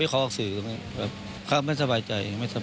แค่ไม่สบายใจ